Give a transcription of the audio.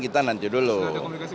sudah ada komunikasi belum